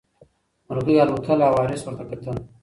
مرغۍ الوتله او وارث ورته کتل.